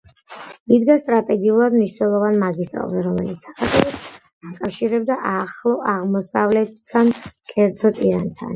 იდგა სტრატეგიულად მნიშვნელოვან მაგისტრალზე, რომელიც საქართველოს აკავშირებდა ახლო აღმოსავლეთთან, კერძოდ, ირანთან.